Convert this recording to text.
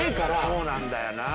そうなんだよなぁ。